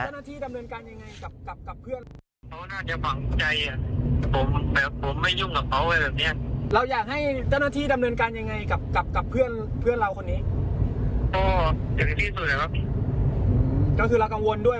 ให้เจ้าหน้าที่ดำเนินการยังไงกับเพื่อนอีกแล้วคุณอากลวงด้วย